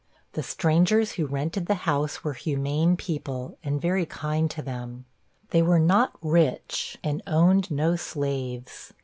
The strangers who rented the house were humane people, and very kind to them; they were not rich, and owned no slaves.